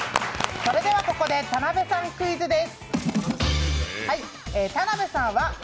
それではここで田辺さんクイズです。